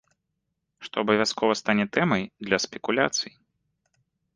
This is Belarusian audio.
Што абавязкова стане тэмай для спекуляцый.